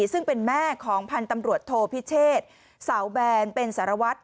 ซึ่งเป็นแม่ของพันธุ์ตำรวจโทพิเชษเสาแบนเป็นสารวัตร